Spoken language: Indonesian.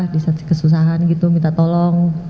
di saat kesusahan gitu minta tolong